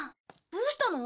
どうしたの？